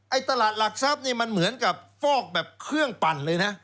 ตลาดหลักทรัพย์นี่มันเหมือนกับฟอกแบบเครื่องปั่นเลยนะ